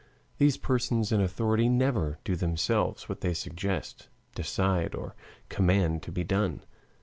These persons in authority never do themselves what they suggest, decide, or command to be done.